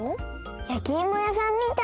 やきいもやさんみたい！